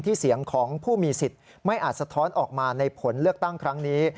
เสียงของผู้มีสิทธิ์ไม่อาจสะท้อนออกมาในผลเลือกตั้งครั้งนี้